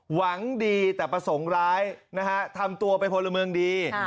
หวังดีแต่ประสงค์ร้ายนะฮะทำตัวเป็นพลเมืองดี